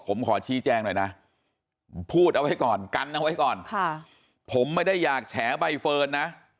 ผมขอชี้แจงหน่อยนะพูดเอาไว้ก่อนกันเอาไว้ก่อนผมไม่ได้อยากแฉใบเฟิร์นนะ